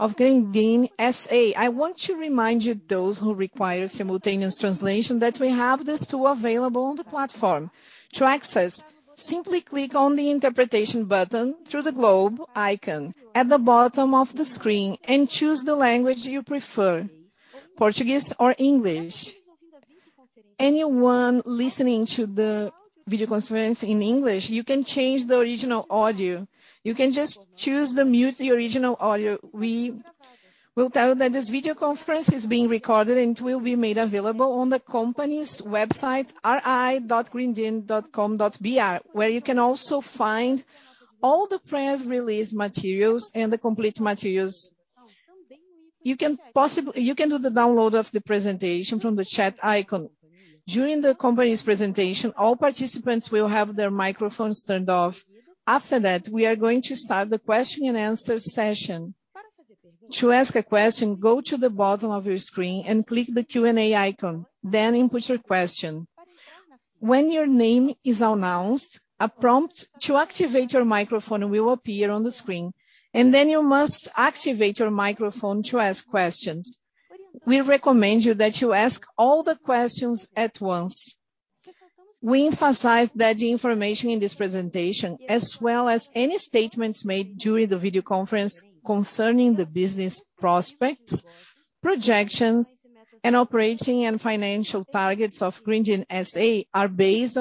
Of Grendene S.A. I want to remind you those who require simultaneous translation that we have this tool available on the platform. To access, simply click on the interpretation button through the globe icon at the bottom of the screen and choose the language you prefer, Portuguese or English. Anyone listening to the video conference in English, you can change the original audio. You can just choose to mute the original audio. We will tell you that this video conference is being recorded and it will be made available on the company's website, ri.grendene.com.br, where you can also find all the press release materials and the complete materials. You can do the download of the presentation from the chat icon. During the company's presentation, all participants will have their microphones turned off. After that, we are going to start the question and answer session. To ask a question, go to the bottom of your screen and click the Q&A icon, then input your question. When your name is announced, a prompt to activate your microphone will appear on the screen, and then you must activate your microphone to ask questions. We recommend you that you ask all the questions at once. We emphasize that the information in this presentation, as well as any statements made during the video conference concerning the business prospects, projections, and operating and financial targets of Grendene S.A., are based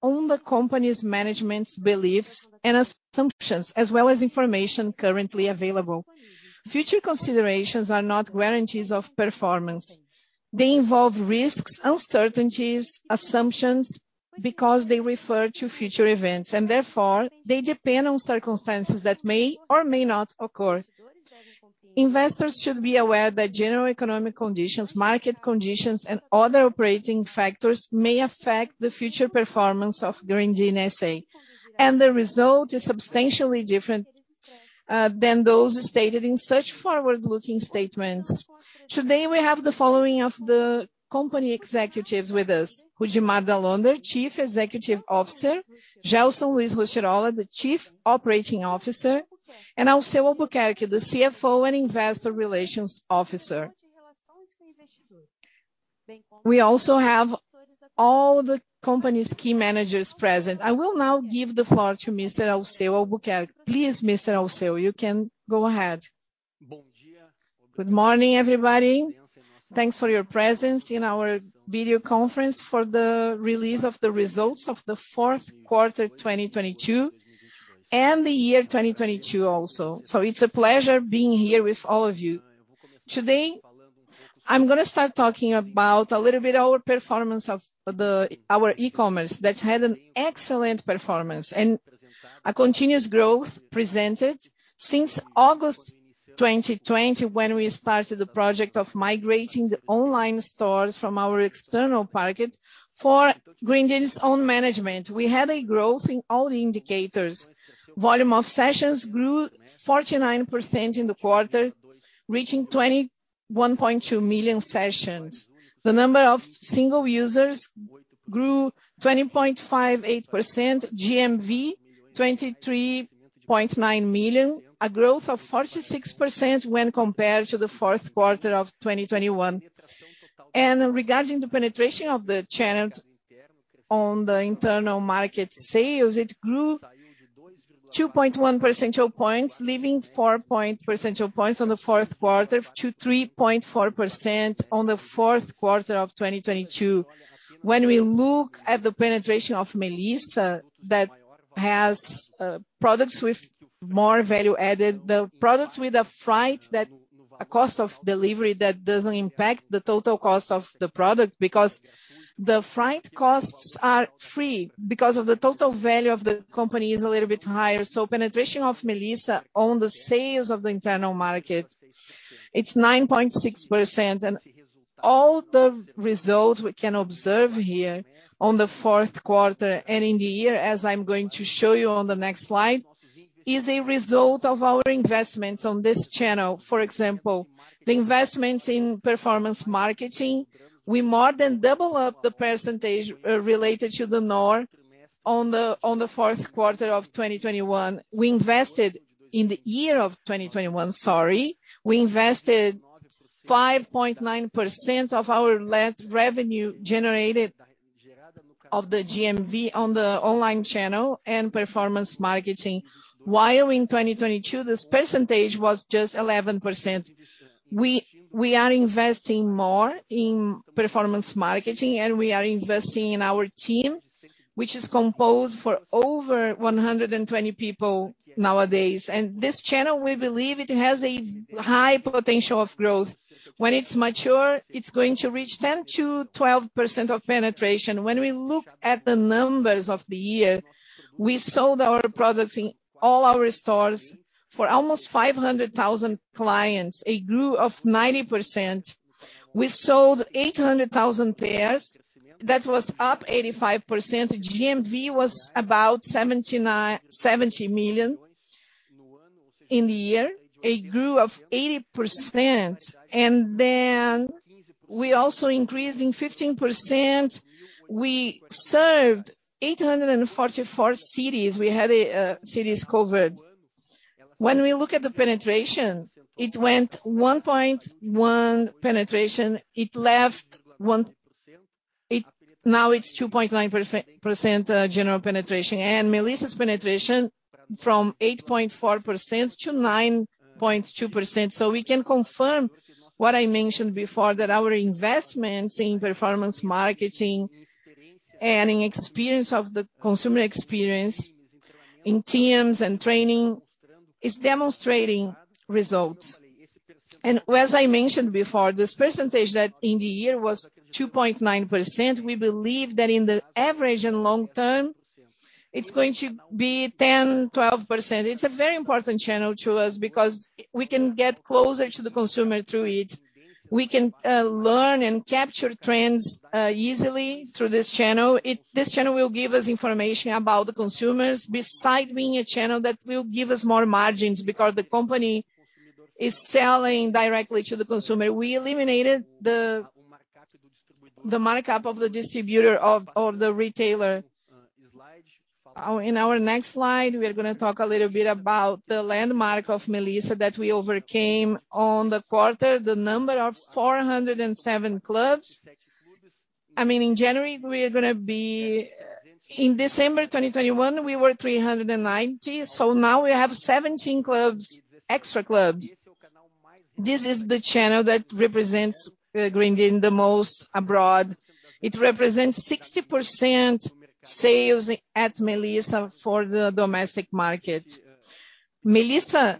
on the company's management's beliefs and assumptions, as well as information currently available. Future considerations are not guarantees of performance. They involve risks, uncertainties, assumptions because they refer to future events, and therefore, they depend on circumstances that may or may not occur. Investors should be aware that general economic conditions, market conditions, and other operating factors may affect the future performance of Grendene S.A. The result is substantially different than those stated in such forward-looking statements. Today, we have the following of the company executives with us. Rudimar Dall'Onder, Chief Executive Officer, Gelson Luis Rostirolla, the Chief Operating Officer, and Alceu Albuquerque, the CFO and Investor Relations Officer. We also have all the company's key managers present. I will now give the floor to Mr. Alceu Albuquerque. Please, Mr. Alceu, you can go ahead. Good morning, everybody. Thanks for your presence in our video conference for the release of the results of the fourth quarter 2022 and the year 2022 also. It's a pleasure being here with all of you. Today, I'm gonna start talking about a little bit our performance of our e-commerce that had an excellent performance and a continuous growth presented since August 2020, when we started the project of migrating the online stores from our external market for Grendene's own management. We had a growth in all the indicators. Volume of sessions grew 49% in the quarter, reaching 21.2 million sessions. The number of single users grew 20.58%. GMV, 23.9 million, a growth of 46% when compared to the fourth quarter of 2021. Regarding the penetration of the channel on the internal market sales, it grew 2.1 percentage points, leaving 4 percentage points on the fourth quarter to 3.4% on the fourth quarter of 2022. When we look at the penetration of Melissa that has products with more value added, the products with a freight that a cost of delivery that doesn't impact the total cost of the product because the freight costs are free because of the total value of the company is a little bit higher. Penetration of Melissa on the sales of the internal market, it's 9.6%. All the results we can observe here on the fourth quarter and in the year, as I'm going to show you on the next slide, is a result of our investments on this channel. For example, the investments in performance marketing, we more than double up the percentage related to the norm on the fourth quarter of 2021. We invested in the year of 2021, sorry. We invested 5.9% of our net revenue generated of the GMV on the online channel and performance marketing. In 2022, this percentage was just 11%. We are investing more in performance marketing, and we are investing in our team, which is composed for over 120 people nowadays. This channel, we believe it has a high potential of growth. When it's mature, it's going to reach 10%-12% of penetration. When we look at the numbers of the year, we sold our products in all our stores for almost 500,000 clients, a growth of 90%. We sold 800,000 pairs. That was up 85%. GMV was about 70 million in the year, a growth of 80%. We also increasing 15%. We served 844 cities. We had cities covered. When we look at the penetration, it went 1.1% penetration. Now it's 2.9% general penetration, and Melissa's penetration from 8.4% to 9.2%. We can confirm what I mentioned before, that our investments in performance marketing and in experience of the consumer experience in teams and training is demonstrating results. As I mentioned before, this percentage that in the year was 2.9%, we believe that in the average and long term, it's going to be 10%, 12%. It's a very important channel to us because we can get closer to the consumer through it. We can learn and capture trends easily through this channel. This channel will give us information about the consumers, besides being a channel that will give us more margins because the company is selling directly to the consumer. We eliminated the markup of the distributor of the retailer. In our next slide, we are gonna talk a little bit about the landmark of Melissa that we overcame on the quarter, the number of 407 clubs. In December 2021, we were 390, so now we have 17 clubs, extra clubs. This is the channel that represents Grendene the most abroad. It represents 60% sales at Melissa for the domestic market. Melissa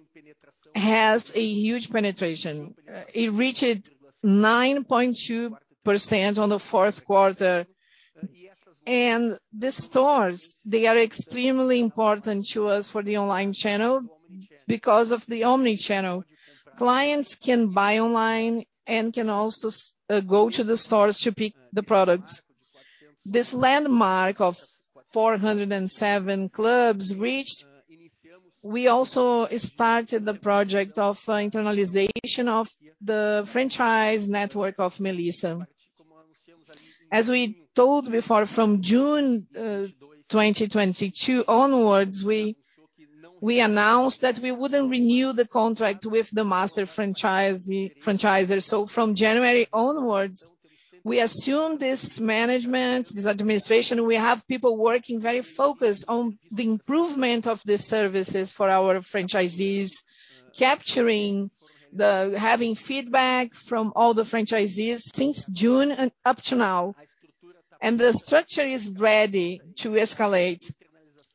has a huge penetration. It reached 9.2% on the fourth quarter. The stores, they are extremely important to us for the online channel because of the omnichannel. Clients can buy online and can also go to the stores to pick the products. This landmark of 407 clubs reached, we also started the project of internalization of the franchise network of Melissa. As we told before, from June 2022 onwards, we announced that we wouldn't renew the contract with the franchisor. From January onwards, we assume this management, this administration. We have people working very focused on the improvement of the services for our franchisees, having feedback from all the franchisees since June and up to now. The structure is ready to escalate.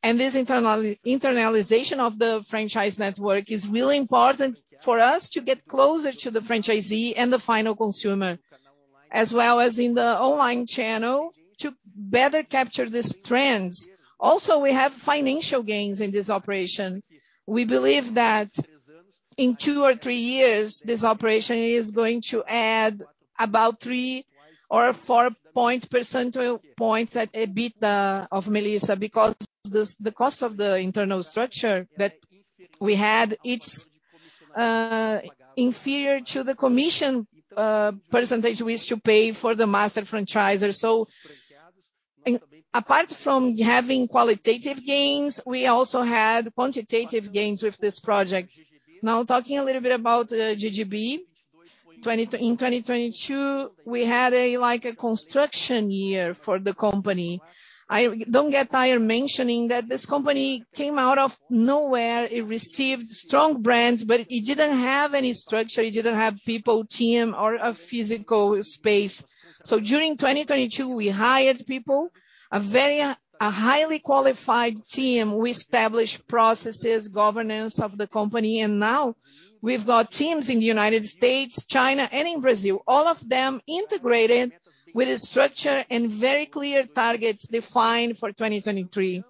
This internalization of the franchise network is really important for us to get closer to the franchisee and the final consumer, as well as in the online channel to better capture these trends. We have financial gains in this operation. We believe that in two or three years, this operation is going to add about three or four point percentage points at EBITDA of Melissa because the cost of the internal structure that we had, it's inferior to the commission percentage we used to pay for the master franchisor. Apart from having qualitative gains, we also had quantitative gains with this project. Talking a little bit about GGB, in 2022, we had a, like, a construction year for the company. I don't get tired mentioning that this company came out of nowhere. It received strong brands, it didn't have any structure. It didn't have people, team or a physical space. During 2022, we hired people, a highly qualified team. We established processes, governance of the company, and now we've got teams in the United States, China and in Brazil, all of them integrated with a structure and very clear targets defined for 2023.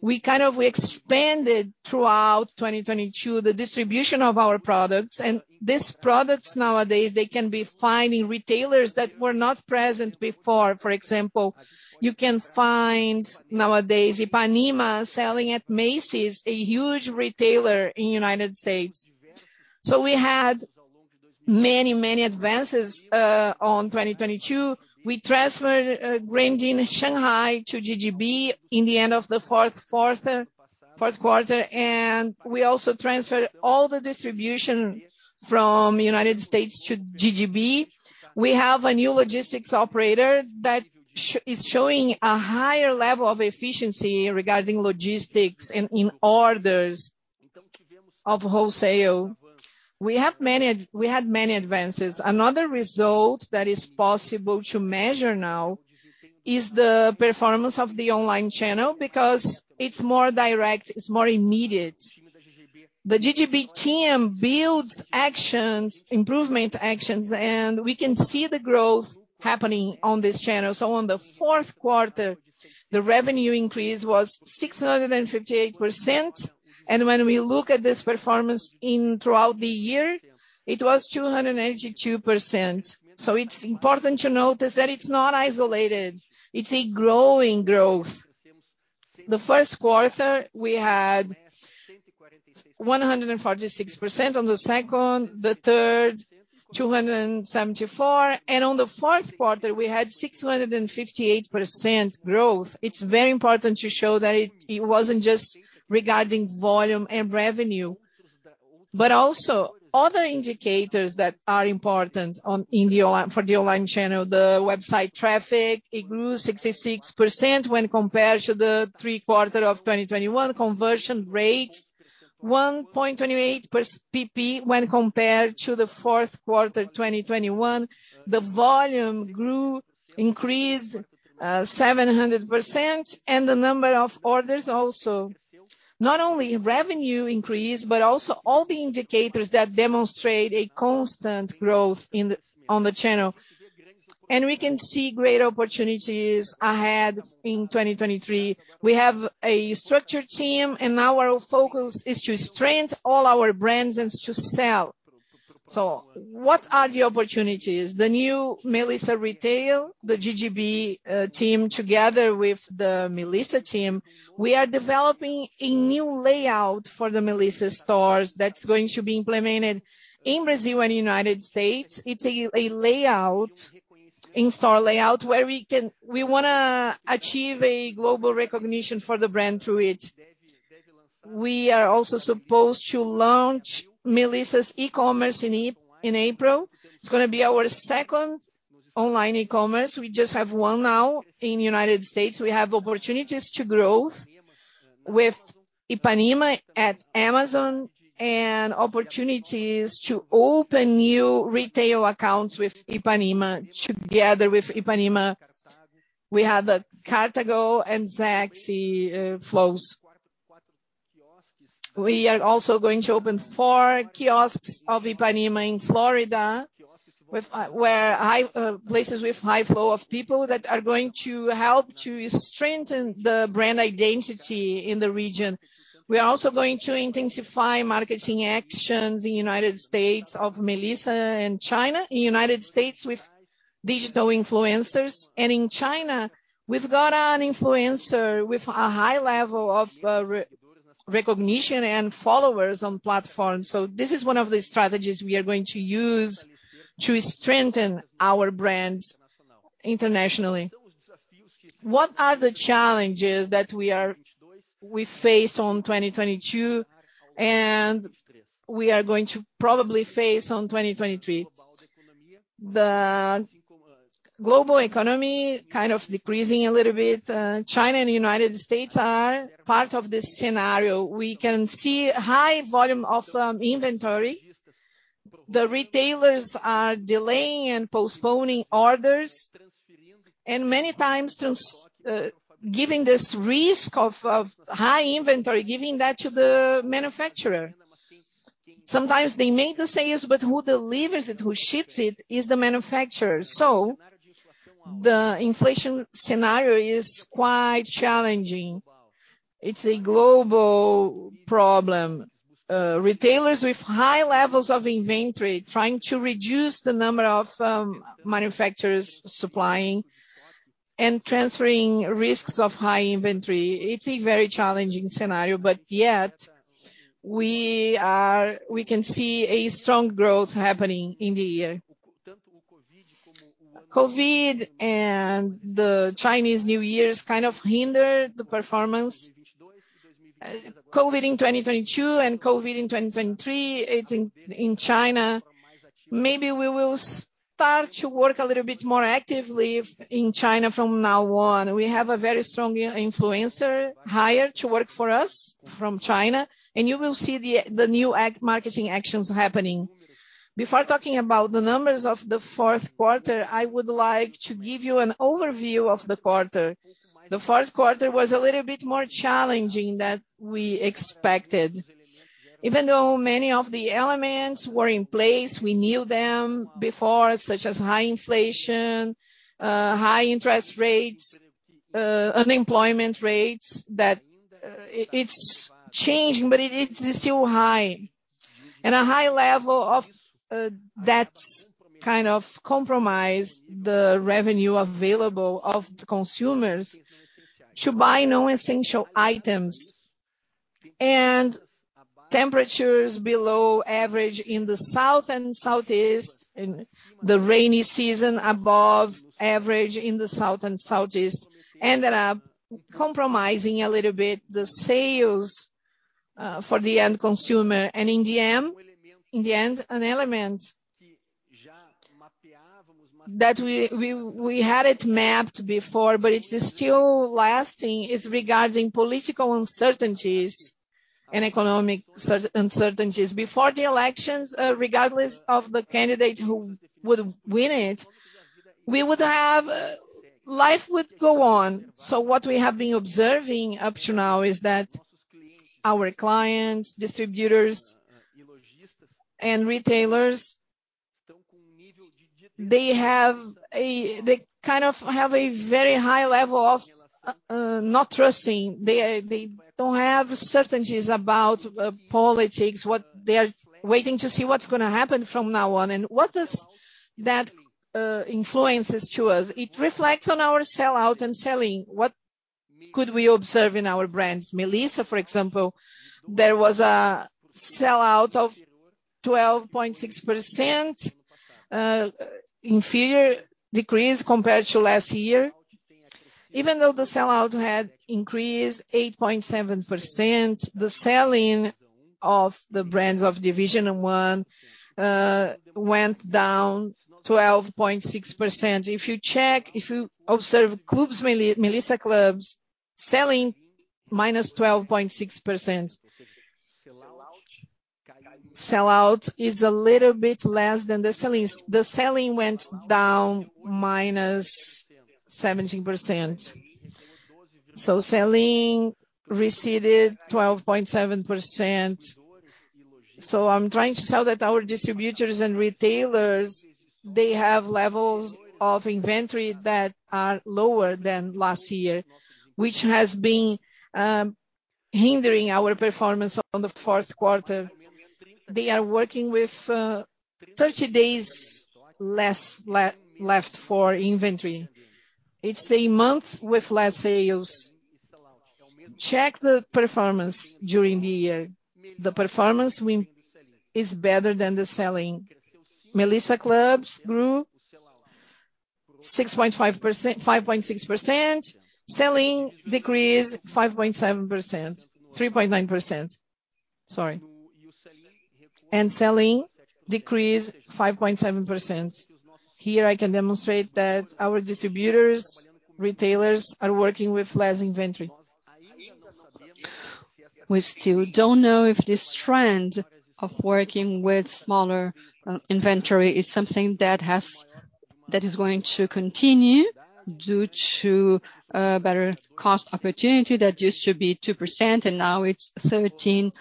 We kind of expanded throughout 2022 the distribution of our products. These products nowadays, they can be finding retailers that were not present before. For example, you can find nowadays Ipanema selling at Macy's, a huge retailer in United States. We had many advances on 2022. We transferred Grendene Shanghai to GGB in the end of the fourth quarter, and we also transferred all the distribution from United States to GGB. We have a new logistics operator that is showing a higher level of efficiency regarding logistics in orders of wholesale. We had many advances. Another result that is possible to measure now is the performance of the online channel because it's more direct, it's more immediate. The GGB team builds actions, improvement actions, we can see the growth happening on this channel. On the fourth quarter, the revenue increase was 658%. When we look at this performance throughout the year, it was 282%. It's important to notice that it's not isolated. It's a growing growth. The first quarter we had 146% on the second. The third, 274%. On the fourth quarter, we had 658% growth. It's very important to show that it wasn't just regarding volume and revenue, but also other indicators that are important for the online channel. The website traffic, it grew 66% when compared to the three quarter of 2021. Conversion rates, 1.28 per percentage point when compared to the fourth quarter, 2021. The volume grew, increased 700%, and the number of orders also. Not only revenue increased, but also all the indicators that demonstrate a constant growth on the channel. We can see great opportunities ahead in 2023. We have a structured team, and now our focus is to strengthen all our brands and to sell. What are the opportunities? The new Melissa retail, the GGB team together with the Melissa team, we are developing a new layout for the Melissa stores that's going to be implemented in Brazil and United States. It's a layout, in-store layout where we wanna achieve a global recognition for the brand through it. We are also supposed to launch Melissa's e-commerce in April. It's gonna be our second online e-commerce. We just have one now in United States. We have opportunities to growth with Ipanema at Amazon and opportunities to open new retail accounts with Ipanema. Together with Ipanema, we have the Cartago and Zaxy flows. We are also going to open four kiosks of Ipanema in Florida with places with high flow of people that are going to help to strengthen the brand identity in the region. We are also going to intensify marketing actions in United States of Melissa and China. In United States with digital influencers, and in China, we've got an influencer with a high level of re-recognition and followers on platforms. This is one of the strategies we are going to use to strengthen our brands internationally. What are the challenges that we face on 2022 and we are going to probably face on 2023? The global economy kind of decreasing a little bit. China and United States are part of this scenario. We can see high volume of inventory. The retailers are delaying and postponing orders, and many times giving this risk of high inventory, giving that to the manufacturer. Sometimes they make the sales, but who delivers it, who ships it is the manufacturer. The inflation scenario is quite challenging. It's a global problem. Retailers with high levels of inventory trying to reduce the number of manufacturers supplying and transferring risks of high inventory. It's a very challenging scenario, yet we can see a strong growth happening in the year. COVID and the Chinese New Year's kind of hindered the performance. COVID in 2022 and COVID in 2023, it's in China. Maybe we will start to work a little bit more actively if in China from now on. We have a very strong influencer hired to work for us from China, and you will see the new marketing actions happening. Before talking about the numbers of the fourth quarter, I would like to give you an overview of the quarter. The fourth quarter was a little bit more challenging than we expected. Even though many of the elements were in place, we knew them before, such as high inflation, high interest rates, unemployment rates, that it's changing, but it is still high. A high level of that's kind of compromised the revenue available of the consumers to buy non-essential items. Temperatures below average in the South and Southeast, and the rainy season above average in the South and Southeast ended up compromising a little bit the sales for the end consumer. In the end, an element that we had it mapped before, but it's still lasting, is regarding political uncertainties and economic uncertainties. Before the elections, regardless of the candidate who would win it, we would have, life would go on. What we have been observing up to now is that our clients, distributors and retailers, they kind of have a very high level of not trusting. They don't have certainties about politics. They are waiting to see what's gonna happen from now on. What does that influences to us? It reflects on our sell-out and selling. What could we observe in our brands. Melissa, for example, there was a sellout of 12.6% inferior decrease compared to last year. Even though the sellout had increased 8.7%, the selling of the brands of division one went down 12.6%. If you observe Melissa Clubs selling -12.6%. Sellout is a little bit less than the sellings. The selling went down -17%. Selling receded 12.7%. I'm trying to show that our distributors and retailers, they have levels of inventory that are lower than last year, which has been hindering our performance on the fourth quarter. They are working with 30 days less left for inventory. It's a month with less sales. Check the performance during the year. The performance win is better than the selling. Melissa Clubs grew 5.6%. Selling decreased 5.7%, 3.9%, sorry. Selling decreased 5.7%. Here I can demonstrate that our distributors, retailers are working with less inventory. We still don't know if this trend of working with smaller inventory is something that is going to continue due to better cost opportunity that used to be 2% and now it's 13.75%.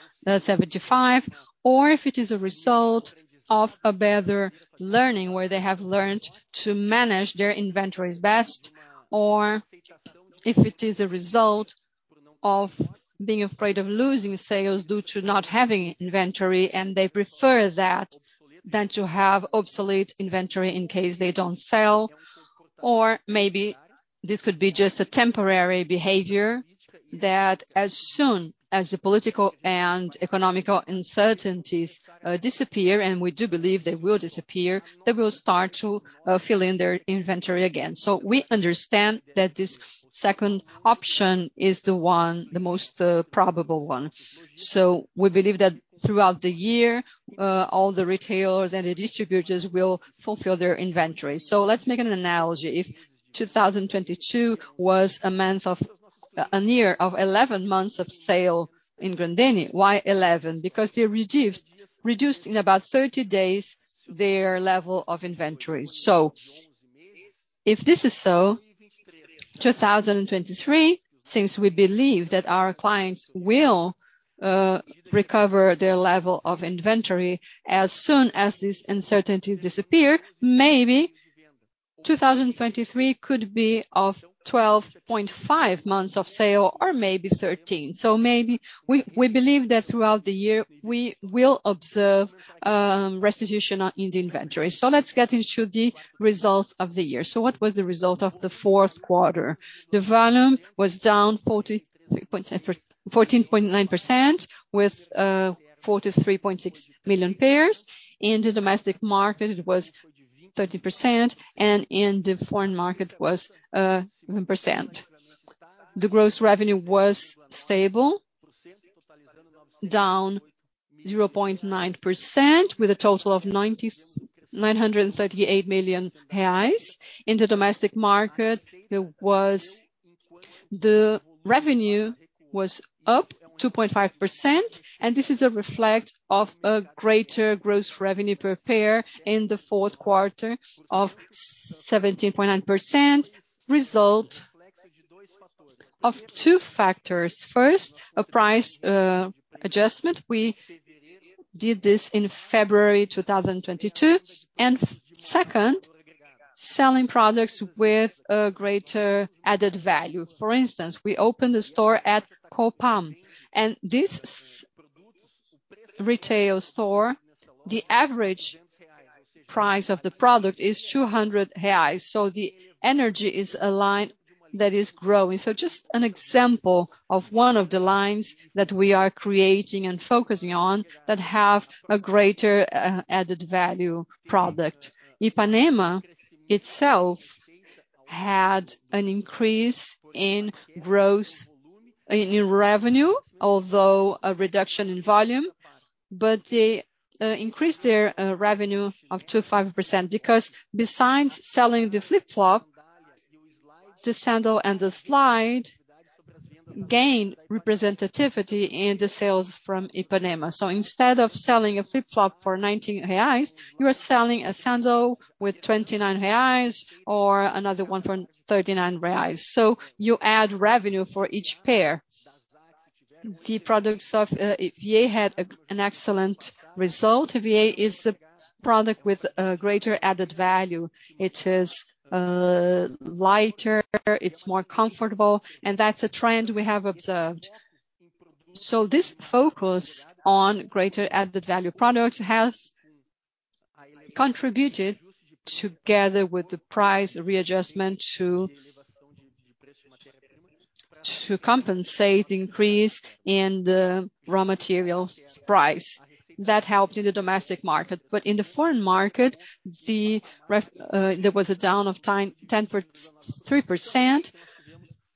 Or if it is a result of a better learning, where they have learnt to manage their inventories best, or if it is a result of being afraid of losing sales due to not having inventory, and they prefer that than to have obsolete inventory in case they don't sell. Maybe this could be just a temporary behavior that as soon as the political and economical uncertainties disappear, we do believe they will disappear, they will start to fill in their inventory again. We understand that this second option is the one, the most probable one. We believe that throughout the year, all the retailers and the distributors will fulfill their inventory. Let's make an analogy. If 2022 was a year of 11 months of sale in Grendene. Why 11? Because they reduced in about 30 days their level of inventory. If this is so, 2023, since we believe that our clients will recover their level of inventory as soon as these uncertainties disappear, maybe 2023 could be of 12.5 months of sale or maybe 13. Maybe we believe that throughout the year, we will observe restitution in the inventory. Let's get into the results of the year. What was the result of the fourth quarter? The volume was down 14.9% with 43.6 million pairs. In the domestic market it was 30%, and in the foreign market it was 7%. The gross revenue was stable, down 0.9% with a total of 938 million reais. In the domestic market, the revenue was up 2.5%. This is a reflection of a greater gross revenue per pair in the fourth quarter of 17.9%. Result of two factors. First, a price adjustment. We did this in February 2022. Second, selling products with a greater added value. For instance, we opened a store at Copan. This retail store, the average price of the product is 200 reais. The energy is a line that is growing. Just an example of one of the lines that we are creating and focusing on that have a greater added value product. Ipanema itself had an increase in revenue, although a reduction in volume. They increased their revenue up to 5% because besides selling the flip-flop, the sandal and the slide gained representativity in the sales from Ipanema. Instead of selling a flip-flop for 90 reais, you are selling a sandal with 29 reais or another one for 39 reais. You add revenue for each pair. The products of EVA had an excellent result. EVA is a product with a greater added value. It is lighter, it's more comfortable, and that's a trend we have observed. This focus on greater added value products has contributed together with the price readjustment to compensate the increase in the raw materials price. That helped in the domestic market. In the foreign market, there was a down of 10.3%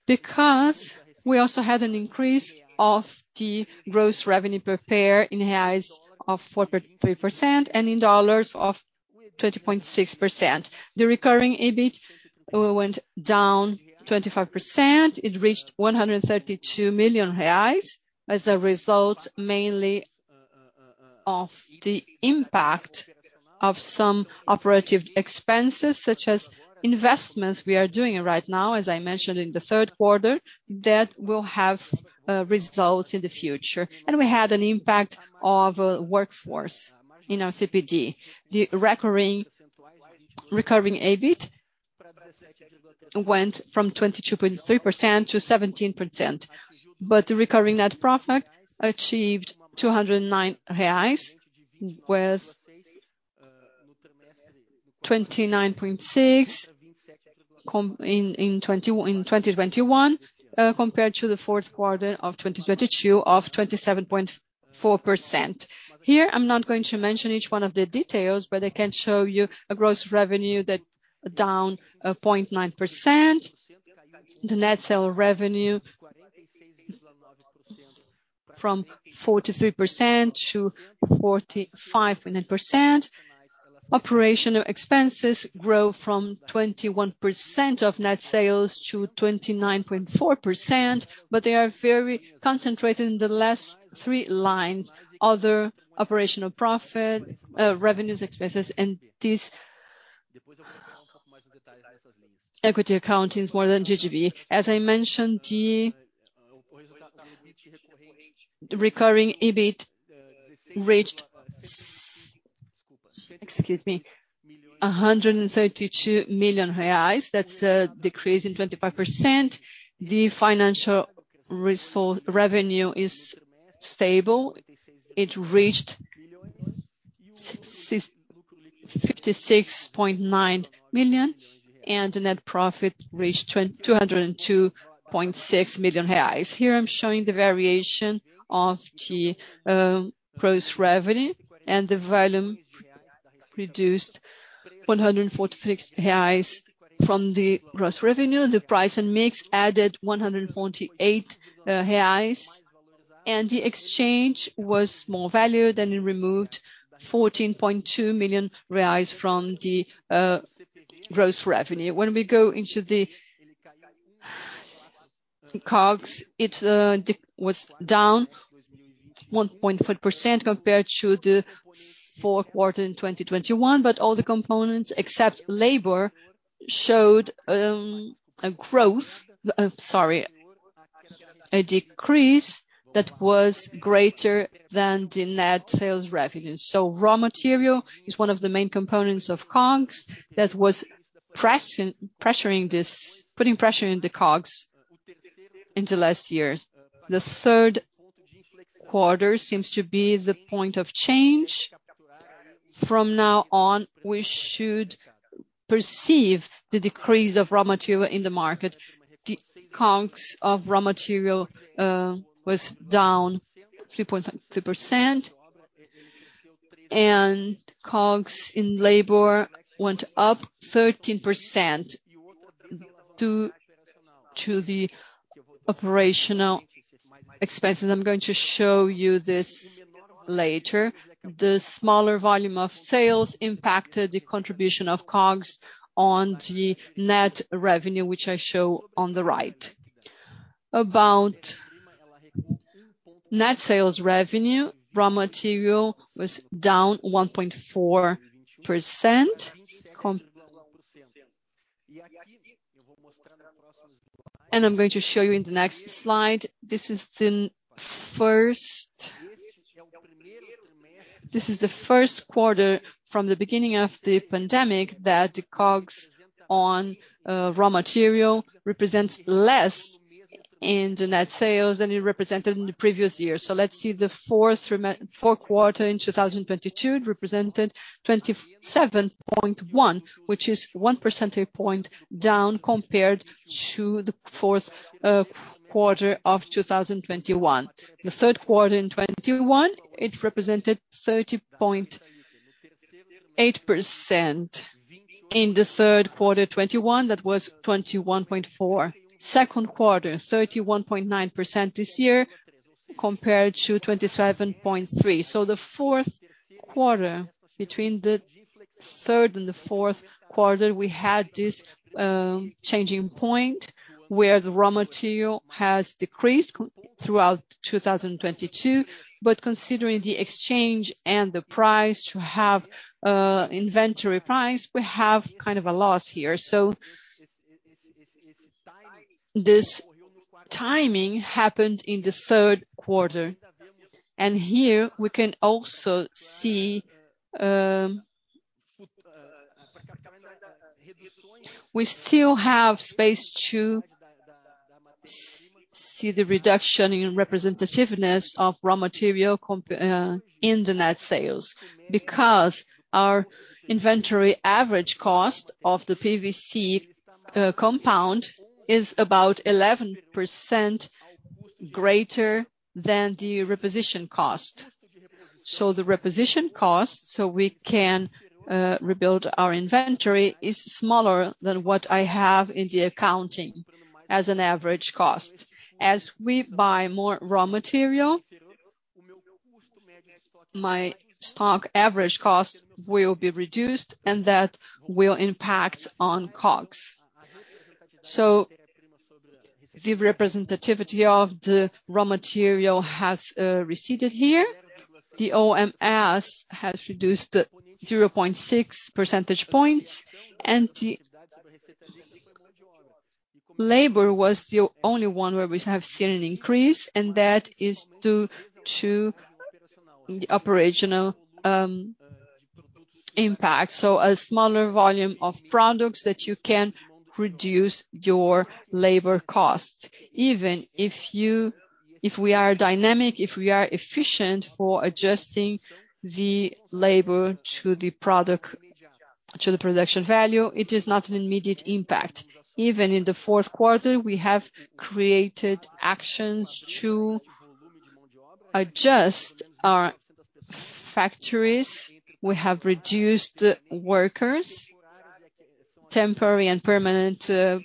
because we also had an increase of the gross revenue per pair in BRL of 4.3%, and in USD of 20.6%. The recurring EBIT went down 25%. It reached 132 million reais as a result mainly of the impact of some operating expenses, such as investments we are doing right now, as I mentioned in the third quarter, that will have results in the future. We had an impact of workforce in our CPD. The recurring EBIT went from 22.3%-17%. The recurring net profit achieved 209 reais with 29.6% in 2021, compared to the fourth quarter of 2022 of 27.4%. Here, I'm not going to mention each one of the details. I can show you a gross revenue that down 0.9%. The net sale revenue from 43%-45.9%. Operational expenses grow from 21% of net sales to 29.4%. They are very concentrated in the last three lines. Other operational profit, revenues expenses, and this equity accounting is more than GGB. As I mentioned, the recurring EBIT reached, excuse me, 132 million reais. That's a decrease in 25%. The financial revenue is stable. It reached 56.9 million. The net profit reached 202.6 million reais. Here I'm showing the variation of the gross revenue. The volume reduced 146 reais from the gross revenue. The price and mix added 148 reais. The exchange was more value than it removed 14.2 million reais from the gross revenue. When we go into the COGS, it was down 1.4% compared to the fourth quarter in 2021. All the components, except labor, showed a growth. Sorry, a decrease that was greater than the net sales revenue. Raw material is one of the main components of COGS that was putting pressure in the COGS into last year. The third quarter seems to be the point of change. From now on, we should perceive the decrease of raw material in the market. The COGS of raw material was down 3.3% and COGS in labor went up 13% to the operational expenses. I'm going to show you this later. The smaller volume of sales impacted the contribution of COGS on the net revenue, which I show on the right. About net sales revenue, raw material was down 1.4%. I'm going to show you in the next slide. This is the first quarter from the beginning of the pandemic that the COGS on raw material represents less in the net sales than it represented in the previous year. Let's see the fourth quarter in 2022 represented 27.1, which is 1 percentage point down compared to the fourth quarter of 2021. The third quarter in 2021, it represented 30.8%. In the third quarter 2021, that was 21.4%. Second quarter, 31.9% this year compared to 27.3%. The fourth quarter between the third and the fourth quarter, we had this changing point where the raw material has decreased throughout 2022. Considering the exchange and the price to have inventory price, we have kind of a loss here. This timing happened in the third quarter. Here we can also see, we still have space to see the reduction in representativeness of raw material in the net sales. Our inventory average cost of the PVC compound is about 11% greater than the reposition cost. The reposition cost, so we can rebuild our inventory, is smaller than what I have in the accounting as an average cost. As we buy more raw material, my stock average cost will be reduced and that will impact on costs. The representativity of the raw material has receded here. The OMS has reduced to 0.6 percentage points. The labor was the only one where we have seen an increase, and that is due to the operational impact. A smaller volume of products that you can reduce your labor costs. Even if we are dynamic, if we are efficient for adjusting the labor to the product, to the production value, it is not an immediate impact. Even in the fourth quarter, we have created actions to adjust our factories. We have reduced workers, temporary and permanent,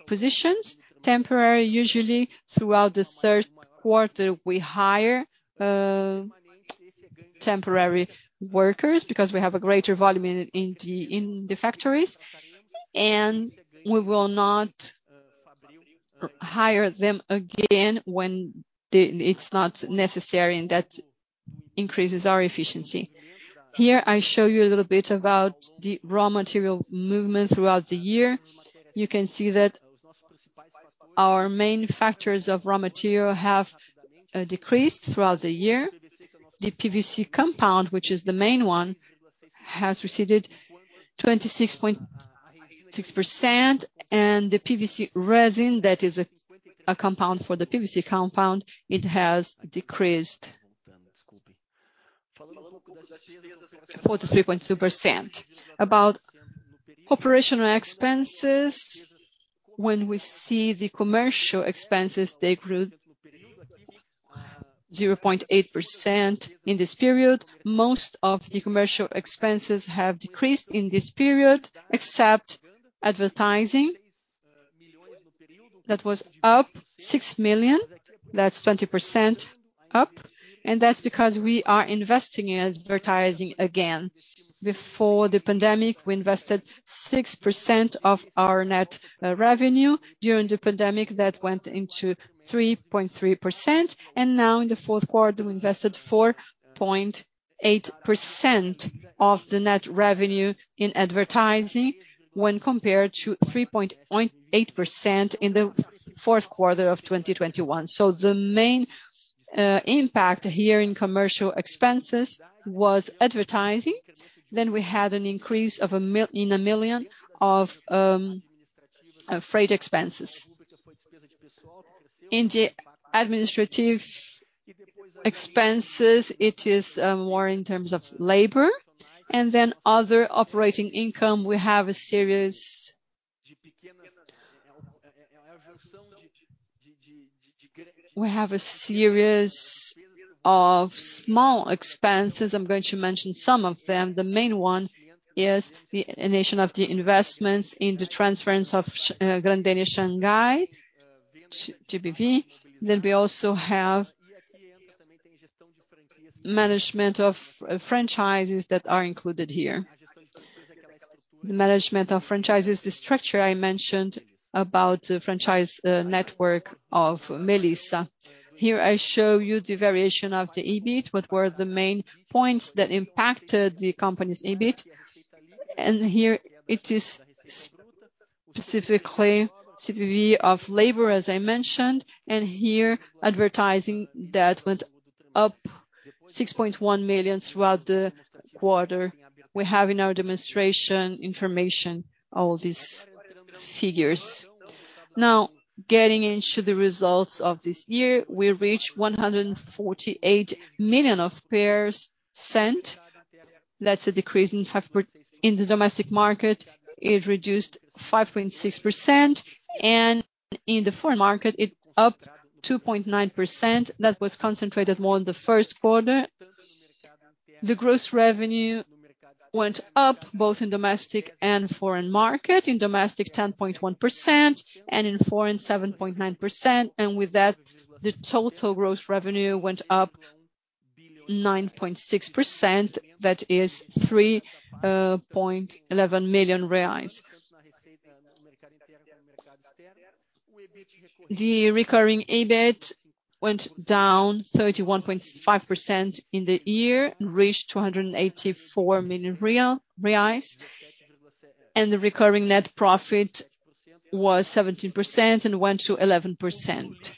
positions. Temporary, usually throughout the third quarter, we hire temporary workers because we have a greater volume in the factories. We will not hire them again. It's not necessary, and that increases our efficiency. Here, I show you a little bit about the raw material movement throughout the year. You can see that our main factors of raw material have decreased throughout the year. The PVC compound, which is the main one, has receded 26.6%. The PVC resin, that is a compound for the PVC compound, it has decreased 43.2%. About operational expenses. When we see the commercial expenses, they grew 0.8% in this period. Most of the commercial expenses have decreased in this period, except advertising. That was up 6 million. That's 20% up. That's because we are investing in advertising again. Before the pandemic, we invested 6% of our net revenue. During the pandemic, that went into 3.3%. Now in the fourth quarter, we invested 4.8% of the net revenue in advertising when compared to 3.8% in the fourth quarter of 2021. The main impact here in commercial expenses was advertising. We had an increase of 1 million of freight expenses. In the administrative expenses, it is more in terms of labor. Other operating income, we have a series of small expenses. I'm going to mention some of them. The main one is the elimination of the investments in the transference of Grendene Shanghai, GGB. We also have management of franchises that are included here. The management of franchises, the structure I mentioned about the franchise network of Melissa. Here, I show you the variation of the EBIT, what were the main points that impacted the company's EBIT. Here it is specifically CPV of labor, as I mentioned. Here advertising that went up 6.1 million throughout the quarter. We have in our demonstration information all these figures. Getting into the results of this year, we reached 148 million of pairs sent. That's a decrease. In the domestic market, it reduced 5.6%. In the foreign market, it up 2.9%. That was concentrated more in the first quarter. The gross revenue went up both in domestic and foreign market. In domestic, 10.1%. In foreign, 7.9%. With that, the total gross revenue went up 9.6%. That is 3.11 million reais. The recurring EBIT went down 31.5% in the year and reached 284 million reais. The recurring net profit was 17% and went to 11%.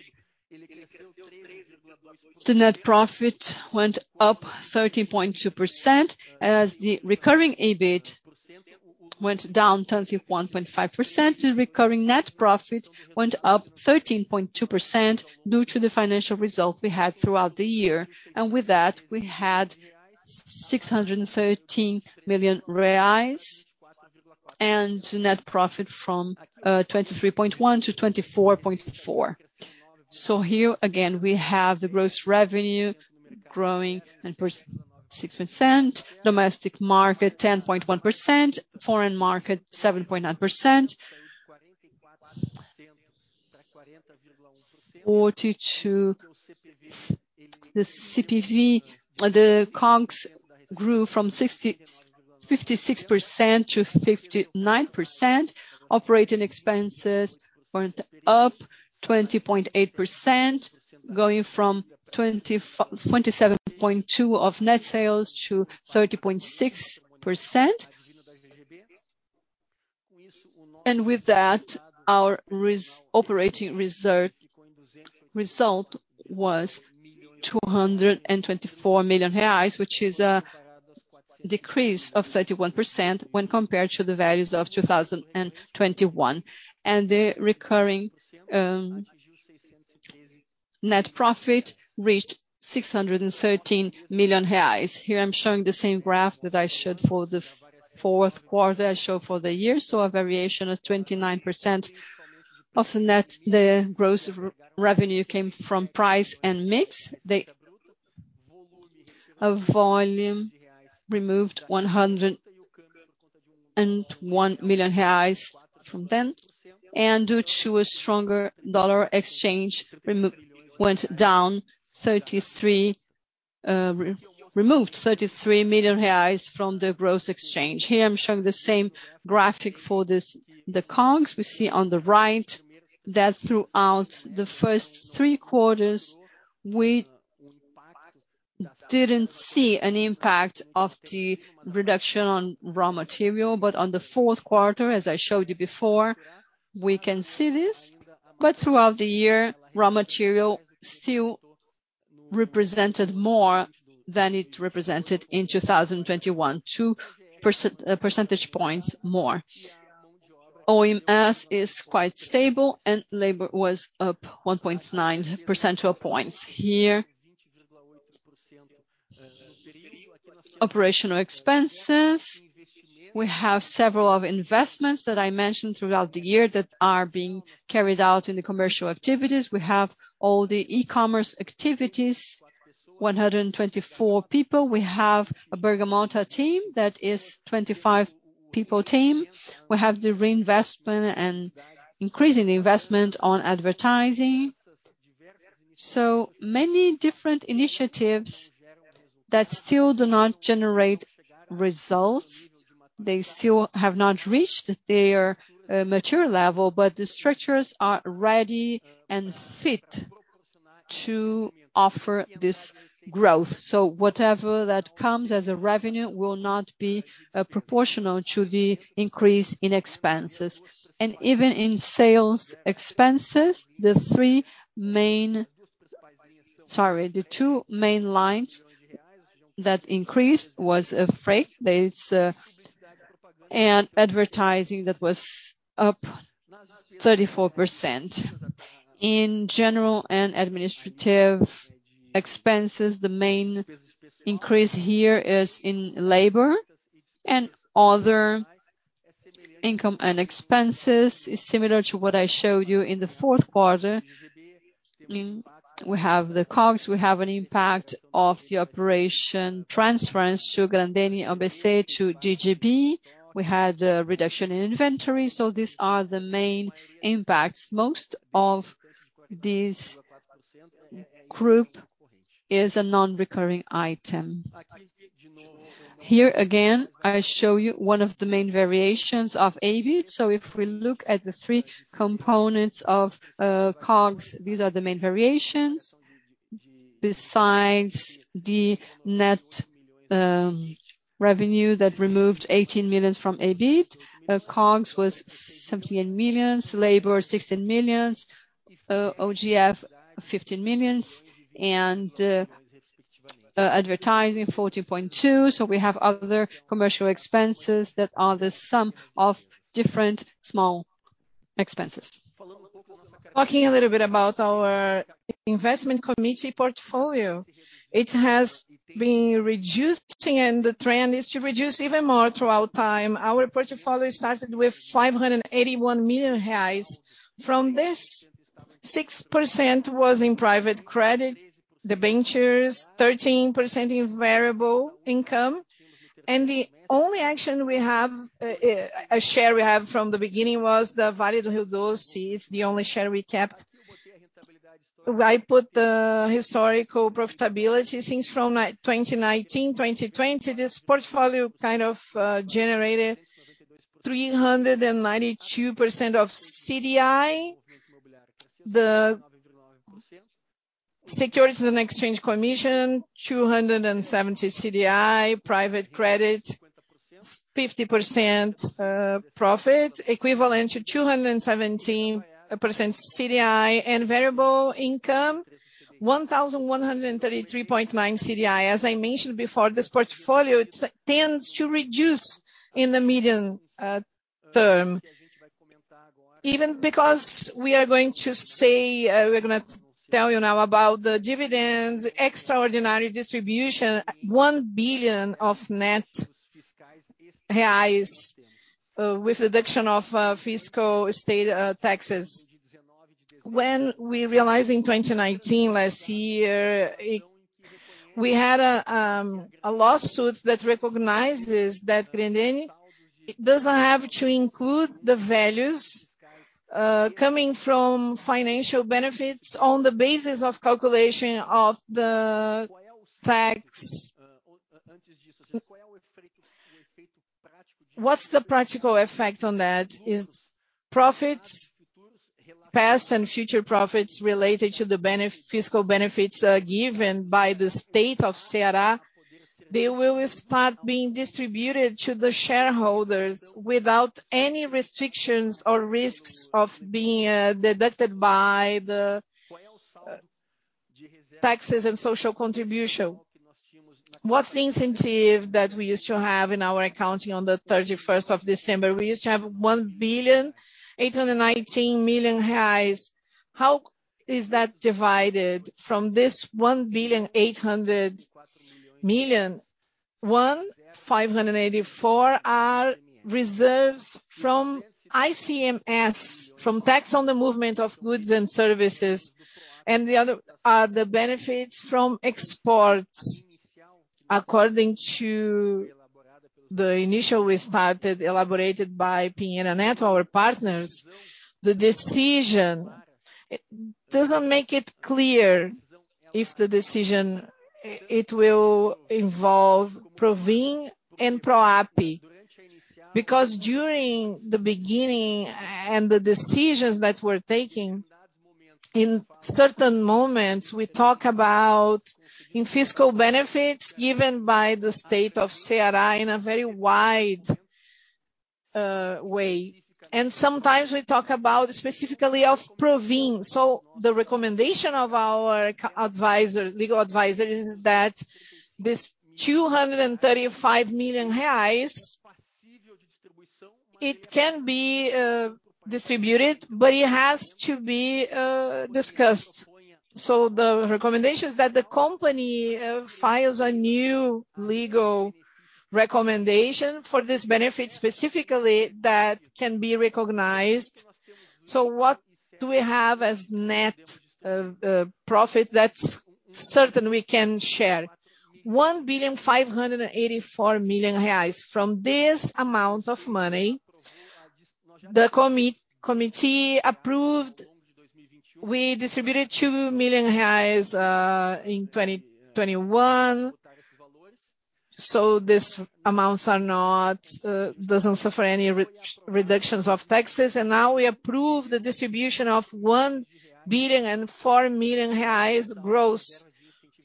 The net profit went up 13.2% as the recurring EBIT went down 21.5%. The recurring net profit went up 13.2% due to the financial results we had throughout the year. With that, we had 613 million reais and net profit from 23.1%-24.4%. Here again, we have the gross revenue growing at first 6%. Domestic market, 10.1%. Foreign market, 7.9%. 42. The COGS grew from 56%-59%. Operating expenses went up 20.8%, going from 27.2 of net sales to 30.6%. With that, our operating result was 224 million reais, which is a decrease of 31% when compared to the values of 2021. The recurring net profit reached 613 million reais. Here I'm showing the same graph that I showed for the fourth quarter, I show for the year. A variation of 29% of the net, the gross revenue came from price and mix. A volume removed 101 million reais from them. Due to a stronger dollar exchange, removed 33 million reais from the gross exchange. Here I'm showing the same graphic for this, the COGS. We see on the right that throughout the first three quarters we didn't see an impact of the reduction on raw material. On the fourth quarter, as I showed you before, we can see this. Throughout the year, raw material still represented more than it represented in 2021, 2 percentage points more. OMS is quite stable and labor was up 1.9 percentage points. Here, operational expenses. We have several of investments that I mentioned throughout the year that are being carried out in the commercial activities. We have all the e-commerce activities, 124 people. We have a Bergamotta team that is 25 people team. We have the reinvestment and increasing investment on advertising. Many different initiatives that still do not generate results. They still have not reached their mature level, but the structures are ready and fit to offer this growth. Whatever that comes as a revenue will not be proportional to the increase in expenses. Even in sales expenses, the two main lines that increased was freight. There is and advertising that was up 34%. In general and administrative expenses, the main increase here is in labor. Other income and expenses is similar to what I showed you in the fourth quarter. We have the COGS, we have an impact of the operation transference to Grendene, to GGB. We had the reduction in inventory. These are the main impacts. Most of this group is a non-recurring item. Here again, I show you one of the main variations of EBIT. If we look at the three components of COGS, these are the main variations. Besides the net revenue that removed 18 million from EBIT, COGS was 17 million, labor 16 million, OGF 15 million, and advertising 14.2 million. We have other commercial expenses that are the sum of different small expenses. Talking a little bit about our investment committee portfolio. It has been reducing, and the trend is to reduce even more throughout time. Our portfolio started with 581 million reais. From this, 6% was in private credit, debentures, 13% in variable income. The only action we have, a share we have from the beginning was the Vale do Rio Doce. It's the only share we kept. I put the historical profitability since from 2019, 2020. This portfolio kind of generated 392% of CDI. The Securities and Exchange Commission, 270 CDI. Private credit, 50% profit, equivalent to 217% CDI. Variable income 1,133.9 CDI. As I mentioned before, this portfolio tends to reduce in the medium term. Even because we are going to tell you now about the dividends, extraordinary distribution, 1 billion of net BRL, with reduction of fiscal state taxes. When we realized in 2019 last year, We had a lawsuit that recognizes that Gerdau doesn't have to include the values coming from financial benefits on the basis of calculation of the facts. What's the practical effect on that is profits, past and future profits related to the fiscal benefits given by the state of Ceará, they will start being distributed to the shareholders without any restrictions or risks of being deducted by the taxes and social contribution. What's the incentive that we used to have in our accounting on the 31st of December? We used to have 1.819 billion. How is that divided from this 1.8 billion? 1.584 billion are reserves from ICMS, from tax on the movement of goods and services, and the other, the benefits from exports. According to the initial we started elaborated by, our partners, the decision, it doesn't make it clear if the decision, it will involve PRVM and PROAPI. During the beginning and the decisions that we're taking, in certain moments, we talk about in fiscal benefits given by the state of Ceará in a very wide way. Sometimes we talk about specifically of PROVIM. The recommendation of our advisor, legal advisor is that this 235 million reais, it can be distributed, but it has to be discussed. The recommendation is that the company files a new legal recommendation for this benefit, specifically that can be recognized. What do we have as net profit that's certain we can share? 1.584 billion. From this amount of money, the committee approved, we distributed 2 million reais in 2021. These amounts are not doesn't suffer any reductions of taxes. Now we approve the distribution of 1.004 billion gross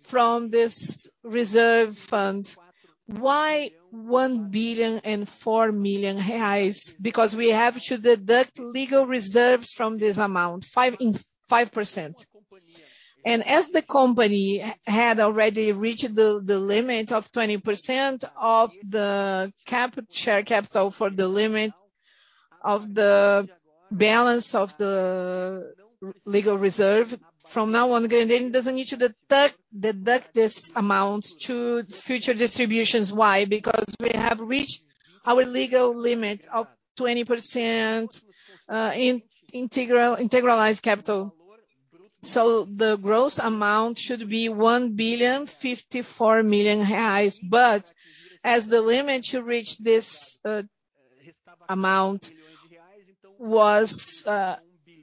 from this reserve fund. Why 1.004 billion? Because we have to deduct legal reserves from this amount, 5%. As the company had already reached the limit of 20% of the share capital for the limit of the balance of the legal reserve, from now on, Grendene doesn't need to deduct this amount to future distributions. Why? Because we have reached our legal limit of 20% in integralized capital. The gross amount should be 1.054 billion. As the limit to reach this amount was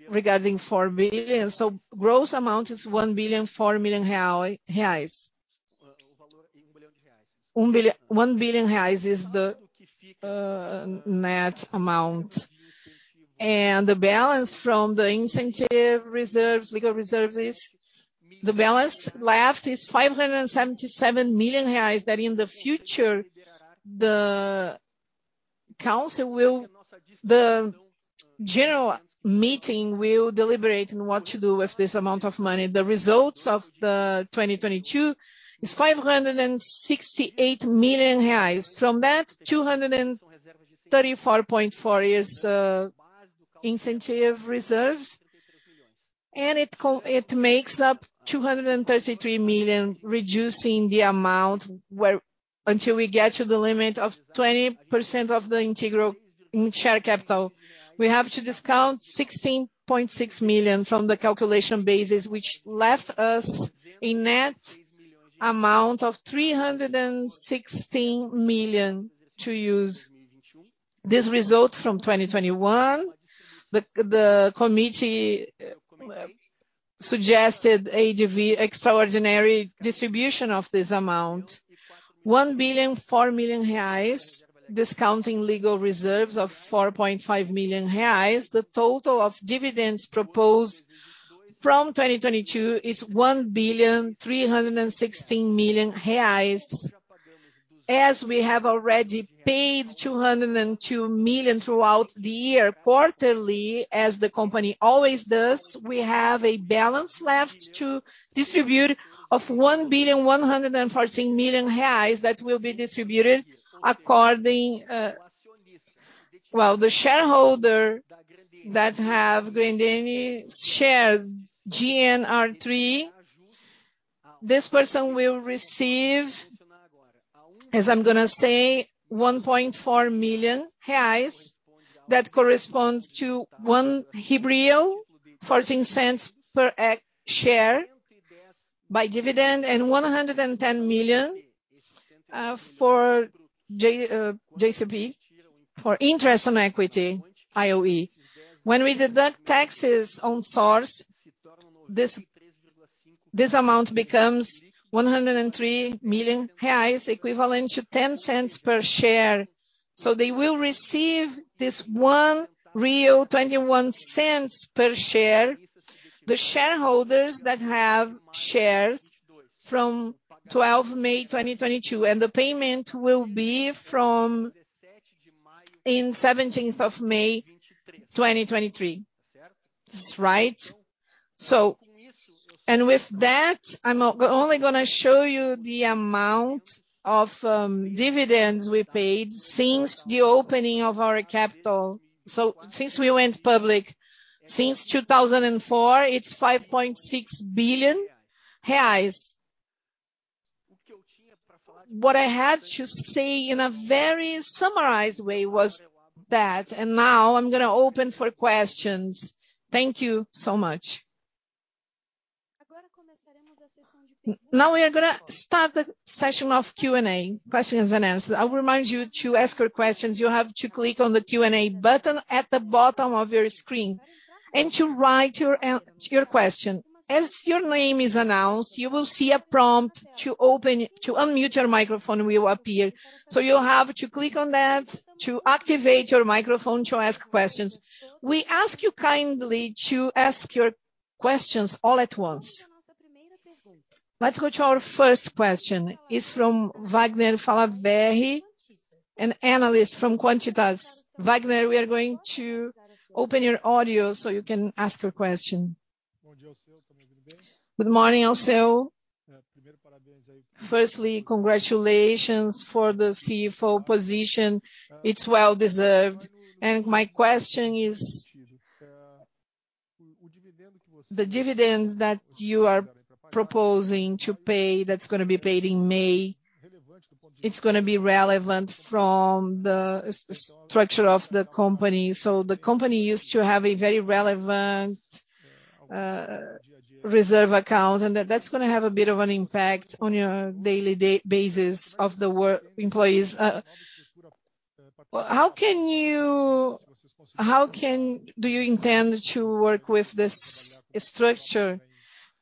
regarding 4 billion, gross amount is 1.004 billion reais. 1 billion reais is the net amount. The balance from the incentive reserves, legal reserves is. The balance left is 577 million reais that in the future, the general meeting will deliberate on what to do with this amount of money. The results of 2022 is 568 million reais. From that, 234.4 is incentive reserves, it makes up 233 million, reducing the amount until we get to the limit of 20% of the integral in share capital. We have to discount 16.6 million from the calculation basis, which left us a net amount of 316 million to use. This result from 2021, the committee suggested AGV extraordinary distribution of this amount. 1.004 billion, discounting legal reserves of 4.5 million reais. The total of dividends proposed from 2022 is 1.316 billion. We have already paid 202 million throughout the year, quarterly, as the company always does, we have a balance left to distribute of 1.114 billion that will be distributed according. Well, the shareholder that have Grendene shares, GRND3, this person will receive, as I'm gonna say, 1.4 million reais. That corresponds to 1.14 per share by dividend, and 110 million for JCP, for interest on equity, IOE. When we deduct taxes on source, this amount becomes 103 million reais, equivalent to 0.10 per share. They will receive this 1.21 real per share. The shareholders that have shares from May 12, 2022, the payment will be on May 17, 2023. This right. With that, I'm only going to show you the amount of dividends we paid since the opening of our capital. Since we went public, since 2004, it's 5.6 billion reais. What I had to say in a very summarized way was that. Now I'm going to open for questions. Thank you so much. Now we are going to start the session of Q&A, questions and answers. I'll remind you to ask your questions. You have to click on the Q&A button at the bottom of your screen to write your question. As your name is announced, you will see a prompt to unmute your microphone will appear. You'll have to click on that to activate your microphone to ask questions. We ask you kindly to ask your questions all at once. Let's go to our first question. It's from Wagner Salaverry, an analyst from Quantitas. Wagner, we are going to open your audio so you can ask your question. Good morning, Alceu. Firstly, congratulations for the CFO position. It's well-deserved. My question is... The dividends that you are proposing to pay, that's gonna be paid in May, it's gonna be relevant from the structure of the company. The company used to have a very relevant reserve account, and that's gonna have a bit of an impact on your daily basis of the employees. Well, how do you intend to work with this structure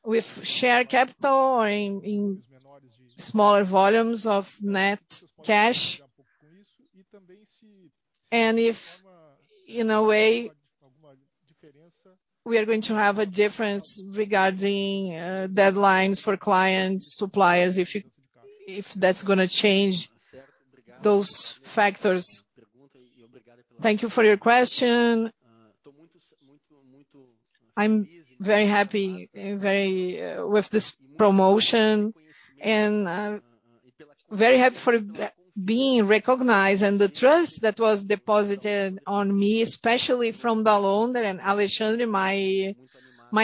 with share capital or in smaller volumes of net cash? If in a way we are going to have a difference regarding deadlines for clients, suppliers, if that's going to change those factors? Thank you for your question. I'm very happy, very with this promotion and very happy for being recognized and the trust that was deposited on me, especially from Dall'Onder and Alexandre, my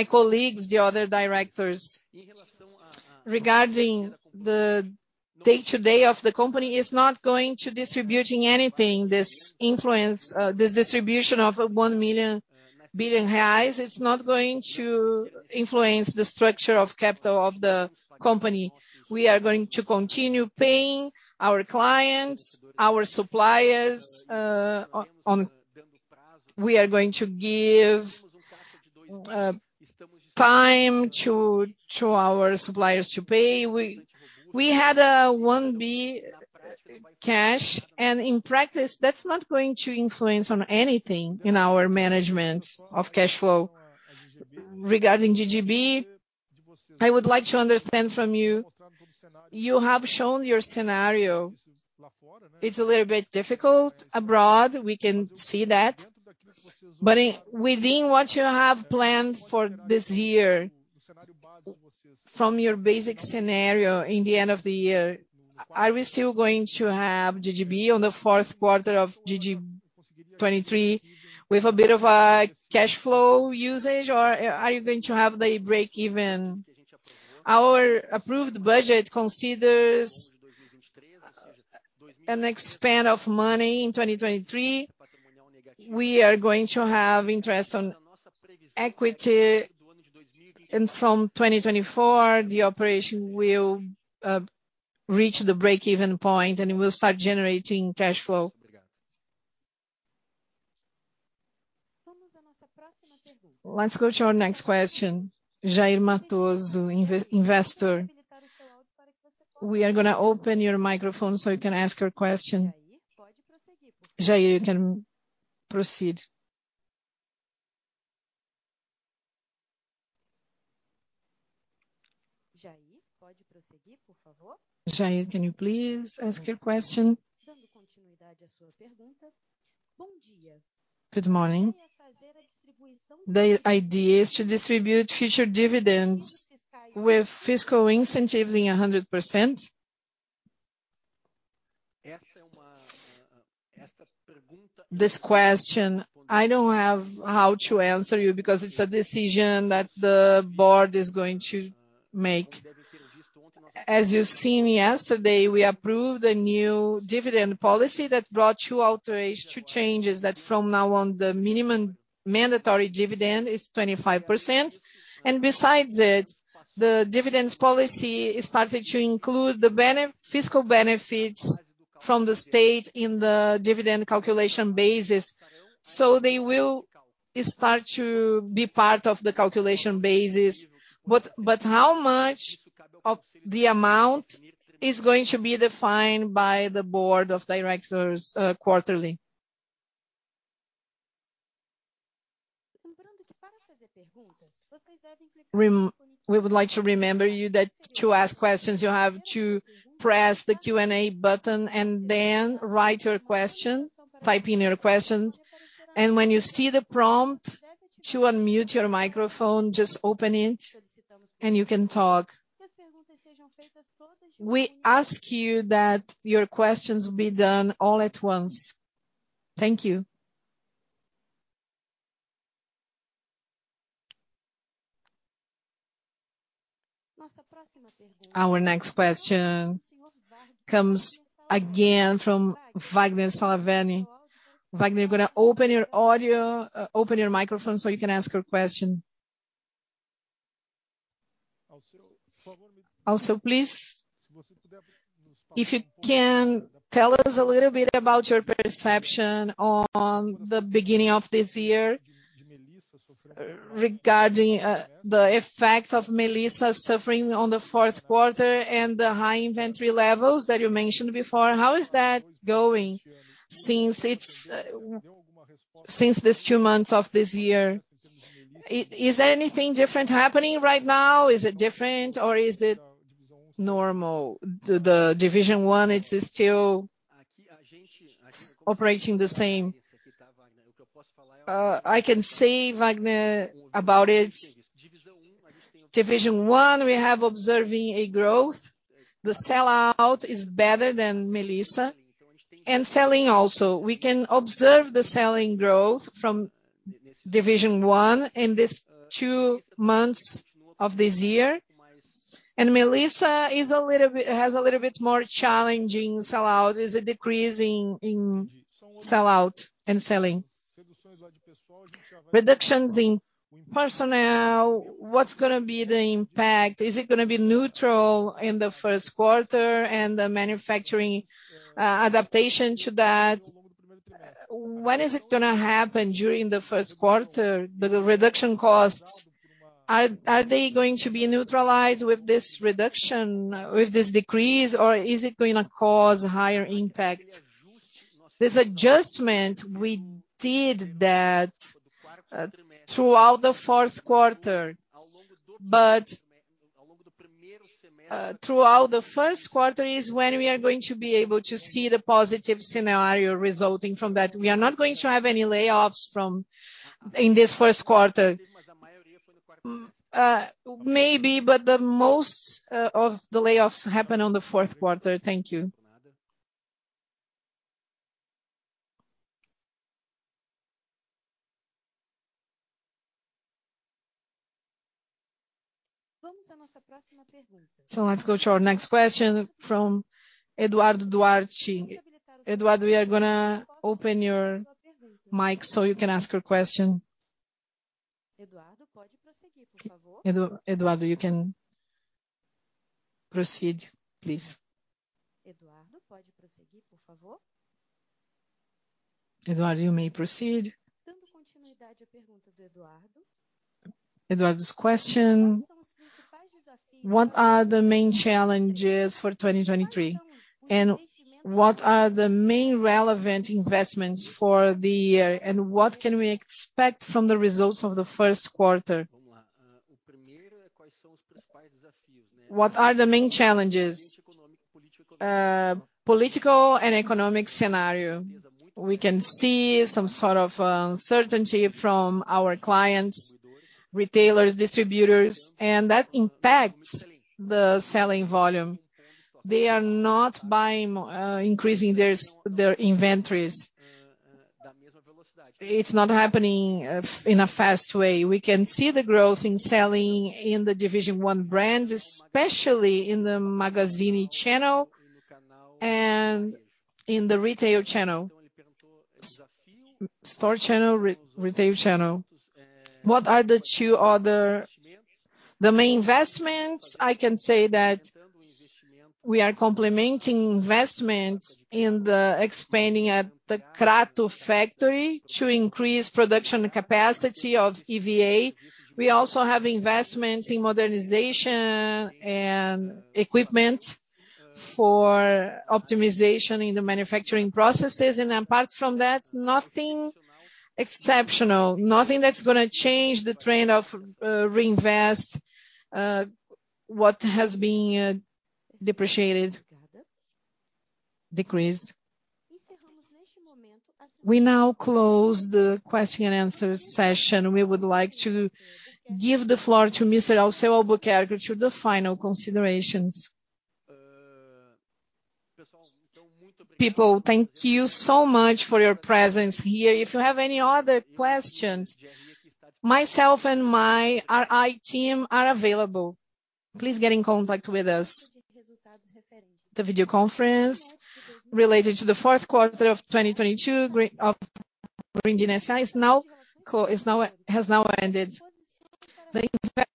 colleagues, the other directors. Regarding the day-to-day of the company, it's not going to distributing anything, this influence, this distribution of 1 billion reais. It's not going to influence the structure of capital of the company. We are going to continue paying our clients, our suppliers. We are going to give time to our suppliers to pay. We had 1 billion cash, and in practice, that's not going to influence on anything in our management of cash flow. Regarding GGB, I would like to understand from you. You have shown your scenario. It's a little bit difficult abroad. We can see that. Within what you have planned for this year from your basic scenario in the end of the year, are we still going to have GGB on the fourth quarter of GG B2023 with a bit of a cash flow usage, or are you going to have the break-even? Our approved budget considers an expand of money in 2023. We are going to have Interest on Equity, and from 2024, the operation will reach the break-even point, and it will start generating cash flow. Let's go to our next question. Jair Matoso, investor. We are gonna open your microphone, so you can ask your question. Jair, you can proceed. Jair, can you please ask your question? Good morning. The idea is to distribute future dividends with fiscal incentives in 100%. This question, I don't have how to answer you because it's a decision that the board is going to make. As you've seen yesterday, we approved a new dividend policy that brought two alterations, two changes that from now on, the minimum mandatory dividend is 25%. Besides it, the dividends policy started to include the fiscal benefits from the state in the dividend calculation basis. They will start to be part of the calculation basis. But how much of the amount is going to be defined by the board of directors quarterly. We would like to remember you that to ask questions, you have to press the Q&A button and then write your question, type in your questions. When you see the prompt to unmute your microphone, just open it and you can talk. We ask you that your questions be done all at once. Thank you. Our next question comes again from Wagner Salaverry. Wagner, gonna open your audio, open your microphone, so you can ask your question. Also, please, if you can tell us a little bit about your perception on the beginning of this year regarding the effect of Melissa suffering on the fourth quarter and the high inventory levels that you mentioned before. How is that going since these two months of this year? Is there anything different happening right now? Is it different or is it normal? The Division one, it's still operating the same. I can say, Wagner, about it. Division one, we have observing a growth. The sellout is better than Melissa and selling also. We can observe the selling growth from division one in this two months of this year. Melissa has a little bit more challenging sellout, is a decrease in sellout and selling. Reductions in personnel, what's gonna be the impact? Is it gonna be neutral in the first quarter and the manufacturing adaptation to that? When is it gonna happen during the first quarter? The reduction costs, are they going to be neutralized with this decrease, or is it gonna cause higher impact? This adjustment, we did that throughout the fourth quarter. Throughout the first quarter is when we are going to be able to see the positive scenario resulting from that. We are not going to have any layoffs in this first quarter. Maybe, but the most of the layoffs happen on the fourth quarter. Thank you. Let's go to our next question from Eduardo Duarte. Eduardo, we are gonna open your mic, so you can ask your question. Eduardo, you can proceed, please. Eduardo, you may proceed. Eduardo's question: What are the main challenges for 2023? What are the main relevant investments for the year? What can we expect from the results of the first quarter? What are the main challenges? Political and economic scenario. We can see some sort of uncertainty from our clients, retailers, distributors, and that impacts the selling volume. They are not buying increasing their inventories. It's not happening in a fast way. We can see the growth in selling in the division one brands, especially in the Magazine channel and in the retail channel. Store channel, re-retail channel. What are the two other main investments, I can say that we are complementing investments in the expanding at the Crato factory to increase production capacity of EVA. We also have investments in modernization and equipment for optimization in the manufacturing processes. Apart from that, nothing exceptional. Nothing that's gonna change the trend of reinvest what has been depreciated, decreased. We now close the question and answer session. We would like to give the floor to Mr. Alceu Albuquerque to the final considerations. People, thank you so much for your presence here. If you have any other questions, myself and my RI team are available. Please get in contact with us. The video conference related to the fourth quarter of 2022 of Grendene S.A. has now ended. The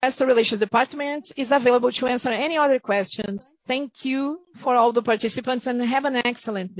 investor relations department is available to answer any other questions. Thank you for all the participants, and have an excellent day.